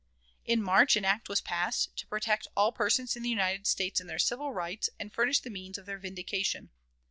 In March an act was passed "to protect all persons in the United States in their civil rights, and furnish the means of their vindication."